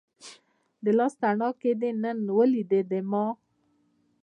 د لاس تڼاکې دې نن ولیدې ما